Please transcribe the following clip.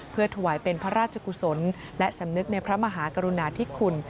เพื่อถวายเป็นพระราชกุศลและสำนึกในพระมหากรุณาธิคุณ